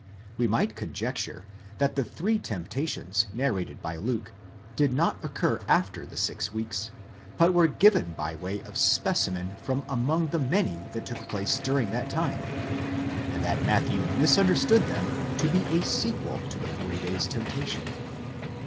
We might conjecture that the three temptations narrated by Luke did not occur after the six weeks, but were given by way of specimen from among the many that took place during that time ; and that Matthew misunderstood them to be a sequel to the forty days' temptation.?